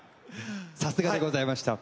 さすがでございました。